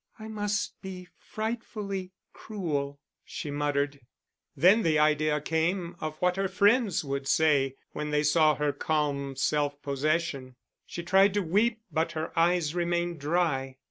"I must be frightfully cruel," she muttered. Then the idea came of what her friends would say when they saw her calm self possession. She tried to weep, but her eyes remained dry.